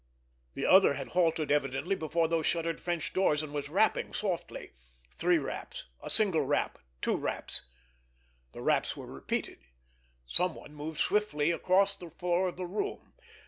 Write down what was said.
The other had halted evidently before those shuttered French doors, and was rapping softly—three raps, a single rap, two raps. The raps were repeated. Someone moved swiftly across the floor of the room.